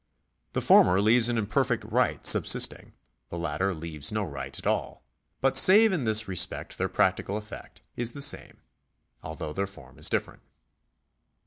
The former leaves an imperfect right subsisting ; the latter leaves no right at all. But save in this respect their practical effect is the same, although their form is different.